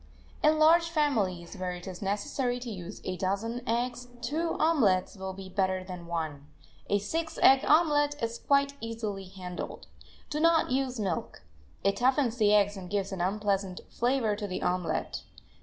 In large families, where it is necessary to use a dozen eggs, two omelets will be better than one. A six egg omelet is quite easily handled. Do not use milk; it toughens the eggs and gives an unpleasant flavor to the omelet.